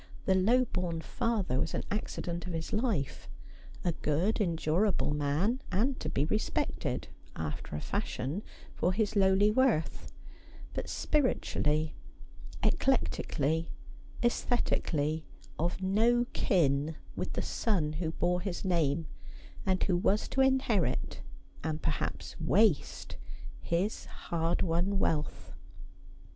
The low born father was an accident in his life — a good endur able man, and to be respected (after a fashion) for his lowly worth, but spiritually, eclectically, sesthetically, of no kin with the son who bore his name, and who was to inherit, and perhaps waste, his hard won wealth.